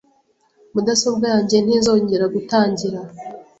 Mudasobwa yanjye ntizongera gutangira .